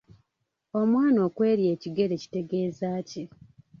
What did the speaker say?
Omwana okw’erya ekigere kitegeeza ki?